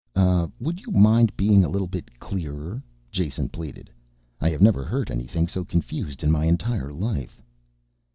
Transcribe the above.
"Would you mind being a little bit clearer," Jason pleaded. "I have never heard anything so confused in my entire life."